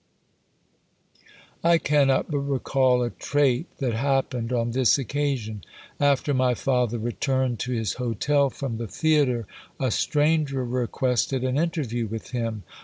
I cannot but recall a trait that happened on this occasion. After my father returned to his hotel from the theatre, a stranger requested an interview with him.